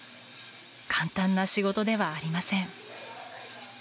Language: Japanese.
簡単な仕事ではありません。